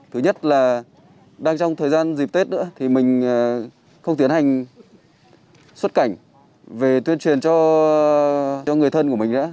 thứ nhất là đang trong thời gian dịp tết nữa thì mình không tiến hành xuất cảnh về tuyên truyền cho người thân của mình nữa